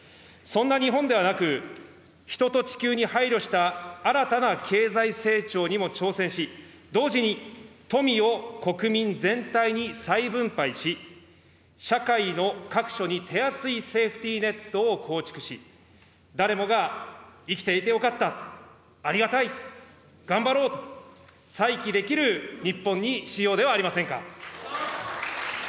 そんな日本ではなく、人と地球に配慮した新たな経済成長にも挑戦し、同時に富を国民全体に再分配し、社会の各所に手厚いセーフティーネットを構築し、誰もが生きていてよかった、ありがたい、頑張ろうと再起できる日本にしようではありませんか。